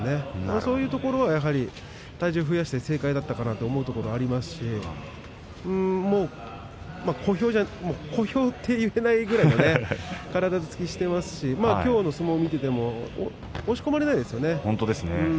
そういうところはやはり体重増やして正解だったかなと思うところはありますしもう小兵と言えないぐらい体つきをしていますしきょうの相撲見ていても押し込まれないですよね。